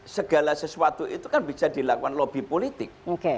segala sesuatu itu kan bisa dilakukan lobby politik